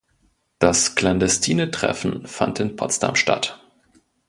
Das klandestine Treffen fand in Potsdam statt.